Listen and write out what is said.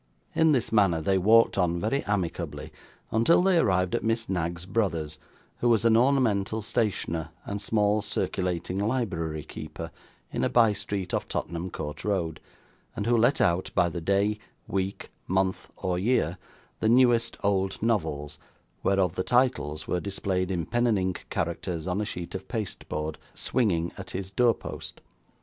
In this manner they walked on, very amicably, until they arrived at Miss Knag's brother's, who was an ornamental stationer and small circulating library keeper, in a by street off Tottenham Court Road; and who let out by the day, week, month, or year, the newest old novels, whereof the titles were displayed in pen and ink characters on a sheet of pasteboard, swinging at his door post.